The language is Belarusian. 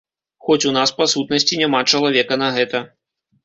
Хоць у нас па сутнасці няма чалавека на гэта.